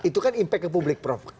itu kan impact ke publik prof